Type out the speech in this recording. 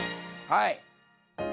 はい。